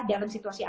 dalam situasi apa